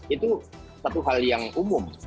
itu satu hal yang umum